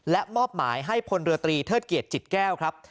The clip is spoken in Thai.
และมอบหมายให้พลเรือตรีเทิดเกียรติจิตแก้วครับ